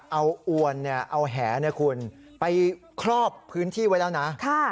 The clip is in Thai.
เอาอวนเอาแหลไปครอบพื้นที่ไว้แล้วนะ